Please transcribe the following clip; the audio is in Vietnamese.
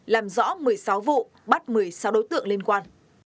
làm rõ một mươi sáu vụ bắt một mươi sáu đối tượng liên quan